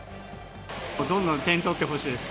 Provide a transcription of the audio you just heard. どんどん点取ってほしいです。